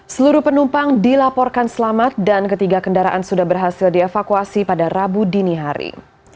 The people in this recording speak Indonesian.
seluruh penumpang dilaporkan selamat dan ketiga kendaraan sudah berhasil dievakuasi pada rabu dini hari